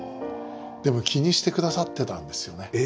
でも気にして下さってたんですよね。